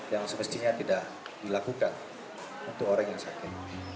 yang semestinya tidak dilakukan untuk orang yang sakit